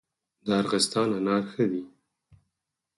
د ارغستان انار ښه دي